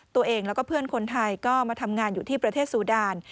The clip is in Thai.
ตัวเองแล้วก็เพื่อนคนไทยก็มาทำงานอยู่ที่ประเทศซูดาน